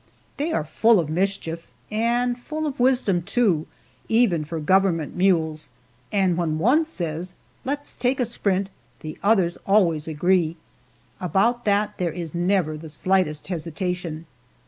They are full of mischief, and full of wisdom, too, even for government mules, and when one says, "Let's take a sprint," the others always agree about that there is never the slightest hesitation.